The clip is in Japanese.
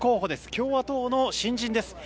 共和党の新人です。